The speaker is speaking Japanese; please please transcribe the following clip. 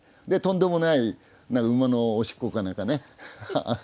でとんでもない馬のおしっこか何かね。